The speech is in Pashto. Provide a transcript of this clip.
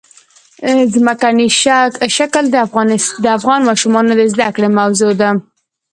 ځمکنی شکل د افغان ماشومانو د زده کړې موضوع ده.